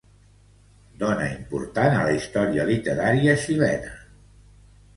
Dona important a la història literària xilena.